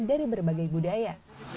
dari berbagai budaya